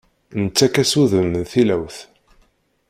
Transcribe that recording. Nettakk-as udem n tilawt.